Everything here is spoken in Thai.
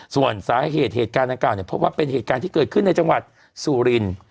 ส่วนสาเหตุเหตุการณ์ดังกล่าเนี่ยพบว่าเป็นเหตุการณ์ที่เกิดขึ้นในจังหวัดสุรินทร์